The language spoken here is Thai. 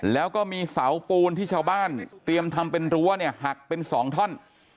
แล้วก็มีเสาปูนที่ชาวบ้านเตรียมทำเป็นรั้วเนี่ยหักเป็น๒ท่อน